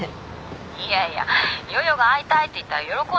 いやいや夜々が会いたいって言ったら喜んで来る男